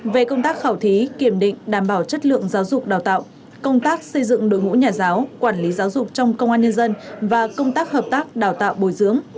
về công tác khảo thí kiểm định đảm bảo chất lượng giáo dục đào tạo công tác xây dựng đội ngũ nhà giáo quản lý giáo dục trong công an nhân dân và công tác hợp tác đào tạo bồi dưỡng